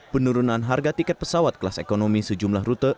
penurunan harga tiket pesawat kelas ekonomi sejumlah rute